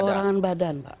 perorangan badan pak